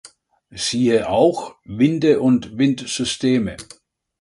Siehe auch: Winde und Windsysteme